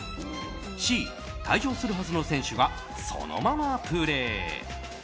Ｃ、退場するはずの選手がそのままプレー。